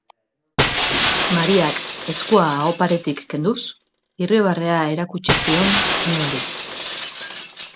Mariak, eskua aho paretik kenduz, irribarrea erakutsi zion nebari.